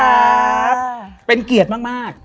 และยินดีต้อนรับทุกท่านเข้าสู่เดือนพฤษภาคมครับ